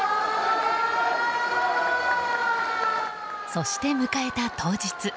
そして、迎えた当日。